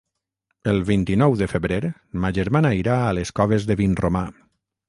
El vint-i-nou de febrer ma germana irà a les Coves de Vinromà.